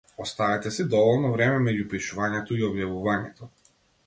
Оставете си доволно време меѓу пишувањето и објавувањето.